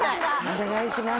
お願いします。